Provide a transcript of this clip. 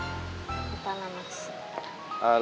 di tengah mas